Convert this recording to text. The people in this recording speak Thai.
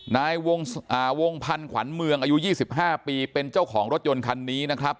นายวงพันธ์ขวัญเมืองอายุ๒๕ปีเป็นเจ้าของรถยนต์คันนี้นะครับ